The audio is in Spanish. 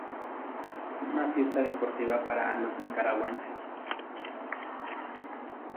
Fue una fiesta deportiva para los nicaragüenses.